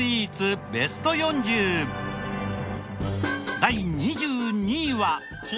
第２２位は。